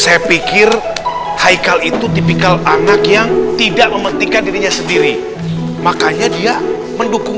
saya pikir haikal itu tipikal anak yang tidak mementingkan dirinya sendiri makanya dia mendukung